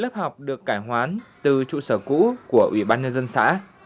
lớp học được cải hoán từ trụ sở cũ của ủy ban nhân dân xã